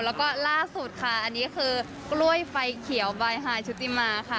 แล้วก็ล่าสุดค่ะอันนี้คือกล้วยไฟเขียวบายชุติมาค่ะ